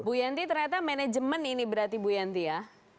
bu yanti ternyata manajemen ini berarti bu yanti ya